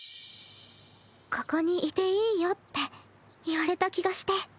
ここにいていいよって言われた気がして。